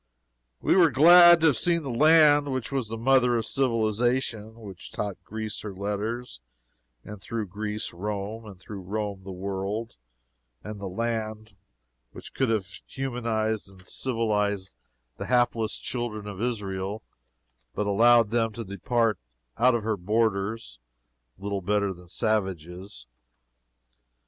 We were glad to have seen the land which was the mother of civilization which taught Greece her letters, and through Greece Rome, and through Rome the world; the land which could have humanized and civilized the hapless children of Israel, but allowed them to depart out of her borders little better than savages.